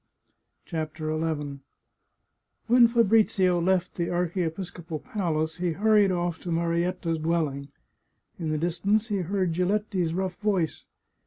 CHAPTER XI When Fabrizio left the archiepiscopal palace he hurried off to Marietta's dwelling. In the distance he heard Giletti's rough voice.